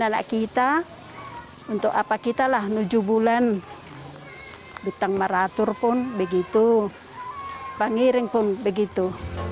anak kita untuk apa kitalah tujuh bulan betang maratur pun begitu panggiring pun begitu